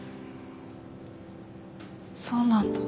そうなんだ。